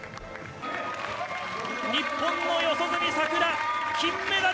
日本の四十住さくら、金メダル！